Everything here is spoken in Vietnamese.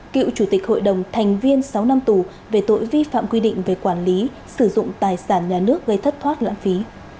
cựu chủ tịch hội đồng thành viên sáu năm tù về tội vi phạm quy định về quản lý sử dụng tài sản nhà nước gây thất thoát lãng phí